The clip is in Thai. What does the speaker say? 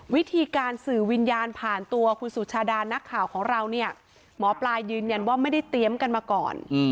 วิธีการสื่อวิญญาณผ่านตัวคุณสุชาดานักข่าวของเราเนี่ยหมอปลายืนยันว่าไม่ได้เตรียมกันมาก่อน